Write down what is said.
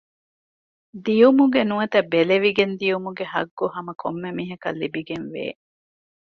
ދިޔުމުގެ ނުވަތަ ބެލެވިގެން ދިޔުމުގެ ޙައްޤު ހަމަކޮންމެ މީހަކަށް ލިބިގެންވޭ